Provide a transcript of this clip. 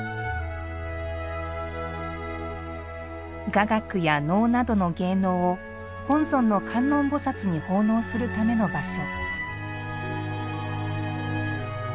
雅楽や能などの芸能を本尊の観音菩薩に奉納するための場所。